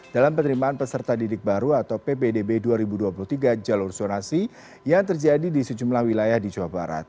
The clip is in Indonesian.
dalam penerimaan peserta didik baru atau ppdb dua ribu dua puluh tiga jalur zonasi yang terjadi di sejumlah wilayah di jawa barat